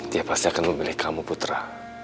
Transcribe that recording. dia pasti akan memilih kamu putra